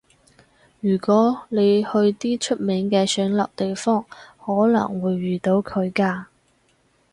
如果你去啲出名嘅上流地方，可能會遇到佢㗎